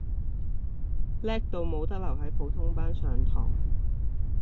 叻到冇得留喺普通班上堂